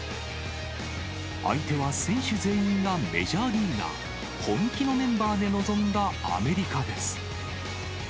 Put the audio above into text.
相手は選手全員がメジャーリーガー、本気のメンバーで臨んだアメリカです。